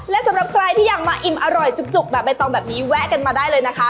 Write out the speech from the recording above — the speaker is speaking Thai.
และสำหรับใครที่อยากมาอิ่มอร่อยจุกแบบใบตองแบบนี้แวะกันมาได้เลยนะคะ